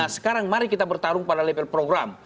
sekarang mari kita bertarung pada level program